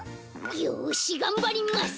よしがんばります！